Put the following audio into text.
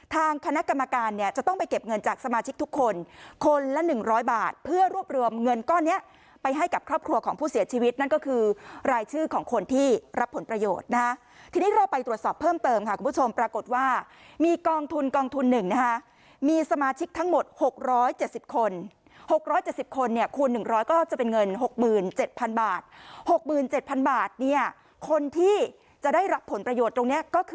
ทางคณะกรรมการเนี่ยจะต้องไปเก็บเงินจากสมาชิกทุกคนคนละหนึ่งร้อยบาทเพื่อรวบรวมเงินก้อนเนี้ยไปให้กับครอบครัวของผู้เสียชีวิตนั่นก็คือรายชื่อของคนที่รับผลประโยชน์นะฮะทีนี้เราไปตรวจสอบเพิ่มเติมค่ะคุณผู้ชมปรากฏว่ามีกองทุนกองทุนหนึ่งนะฮะมีสมาชิกทั้งหมดหกร้อยเจ็ดสิบคนหกร้อยเจ็